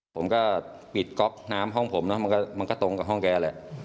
ผมก็ปิดก๊อกน้ำห้องผมเนอะมันก็ตรงกับห้องแกแหละ